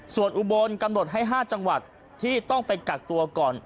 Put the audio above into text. ส่วนอุบลกำหนดให้๕จังหวัดที่ต้องไปกักตัวก่อน